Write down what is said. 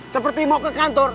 seperti mau ke kantor